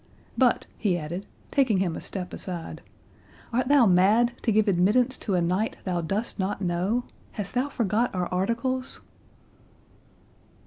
—But," he added, taking him a step aside, "art thou mad? to give admittance to a knight thou dost not know? Hast thou forgot our articles?"